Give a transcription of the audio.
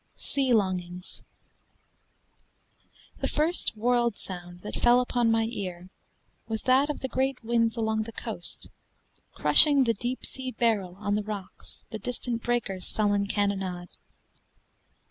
SEA LONGINGS The first world sound that fell upon my ear Was that of the great winds along the coast Crushing the deep sea beryl on the rocks The distant breakers' sullen cannonade.